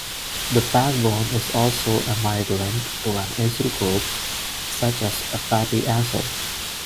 The backbone is also amide-linked to an acyl group, such as a fatty acid.